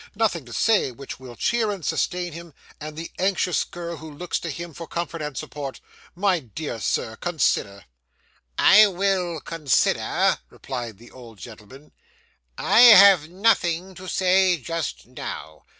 Nothing to say which will cheer and sustain him, and the anxious girl who looks to him for comfort and support? My dear Sir, consider.' 'I will consider,' replied the old gentleman. 'I have nothing to say just now.